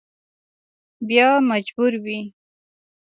بیا مجبور وي.